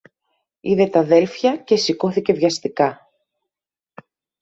Είδε τ' αδέλφια και σηκώθηκε βιαστικά